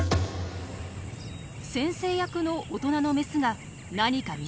先生役の大人のメスが何か見つけました。